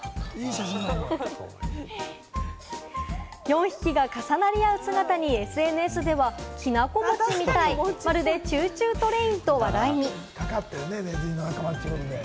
４匹が重なり合う姿に、ＳＮＳでは、きな粉もちみたい、まるでチューチュートレインと話題に。